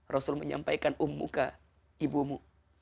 rasul menyampaikan ummuka ibumu